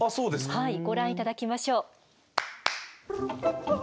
ご覧頂きましょう。